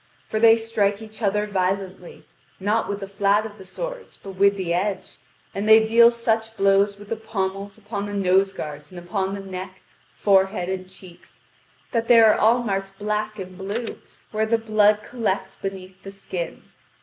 For they strike each other violently, not with the fiat of the swords, but with the edge, and they deal such blows with the pommels upon the nose guards and upon the neck, forehead and cheeks, that they are all marked black and blue where the blood collects beneath the skin.